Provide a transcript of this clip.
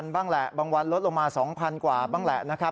๓๐๐๐บ้างแหละบางวันลดลงมา๒๐๐๐กว่าบ้างแหละ